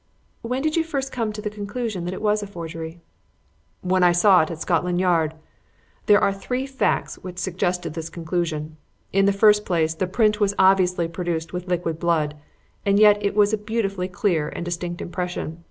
"When did you first come to the conclusion that it was a forgery?" "When I saw it at Scotland Yard. There are three facts which suggested this conclusion. In the first place the print was obviously produced with liquid blood, and yet it was a beautifully clear and distinct impression.